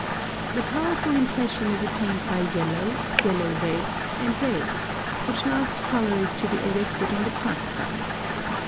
The powerful impression is attained by yellow, yellow red, and red, which last colour is to be arrested on the plus side.